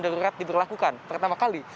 darurat diberlakukan pertama kali